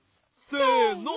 せの。